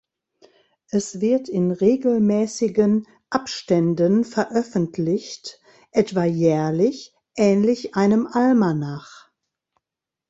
Es wird in regelmäßigen Abständen veröffentlicht, etwa jährlich, ähnlich einem Almanach.